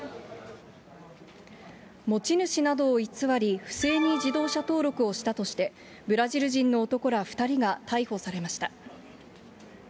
持ち主などを偽り、不正に自動車登録をしたとして、ブラジル人の男ら２人が逮捕されました。